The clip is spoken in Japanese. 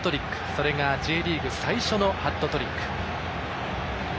それがＪリーグ最初のハットトリック。